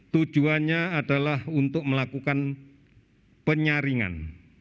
tujuannya adalah untuk melakukan penyaringan